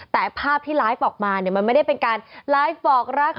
แต่ภาพที่ไลฟ์ออกมาเนี่ยมันไม่ได้เป็นการไลฟ์บอกรัก